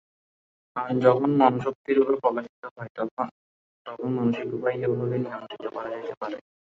প্রাণ যখন মনঃশক্তিরূপে প্রকাশিত হয়, তখন মানসিক উপায়েই উহাকে নিয়ন্ত্রিত করা যাইতে পারে।